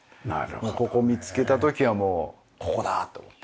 ここを見つけた時はもうここだと思って。